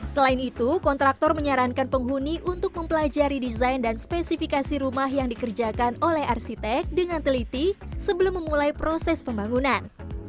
selain itu kontraktor menyarankan penghuni untuk mempelajari desain dan spesifikasi rumah yang dikerjakan oleh arsitek dengan teliti sebelum memulai proses pembangunan